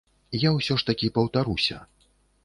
Я ўсё ж такі паўтаруся.